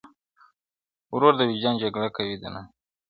ورور د وجدان جګړه کوي دننه-